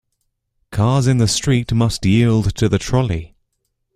Cars in the street must yield to the trolley.